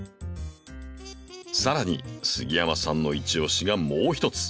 さらに杉山さんのイチオシがもう一つ。